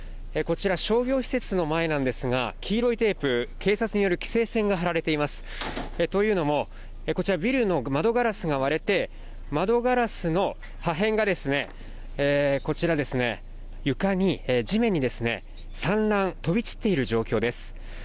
こちら商業施設の前なんですが、黄色いテープ、警察による規制線が張られていますというのも、こちらビルの窓ガラスが割れて、窓ガラスの破片がですね、こちらですね、床に地面にですね、散乱飛び散っている状況です。